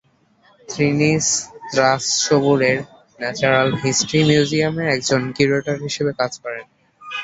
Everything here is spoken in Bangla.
তিনি স্ত্রাসবুরের ন্যাচারাল হিস্ট্রি মিউজিয়ামে একজন কিউরেটর হিসেবে কাজ করেন।